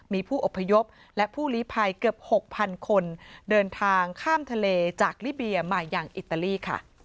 มีผู้อพยพและผู้ลีภัยเกือบ๖๐๐๐คนเดินทางข้ามทะเลจากลิเบียมาอย่างอิตาลี